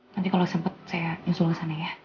nanti kalau sempat saya nyusul ke sana ya